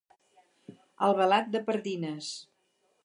Albalat de Pardines.